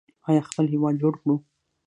آیا خپل هیواد جوړ کړو؟